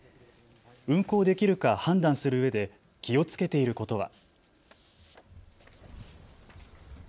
運航できるか判断するうえで気をつけていることは。